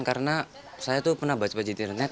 karena saya tuh pernah baca baca di internet